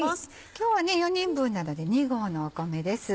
今日は４人分なので２合の米です。